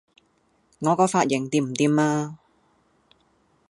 我個髮型掂唔掂呀?